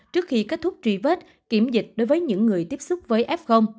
trước khi kết thúc truy vết kiểm dịch đối với những người tiếp xúc với f